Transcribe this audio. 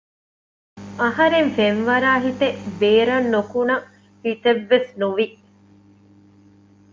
އަހަރެން ފެންވަރާހިތެއް ބޭރަށް ނުކުނަ ހިތެއްވެސް ނުވި